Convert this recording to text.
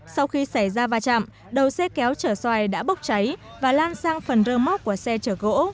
sau khi xảy ra va chạm đầu xe kéo trở xoài đã bốc cháy và lan sang phần rơm móc của xe trở gỗ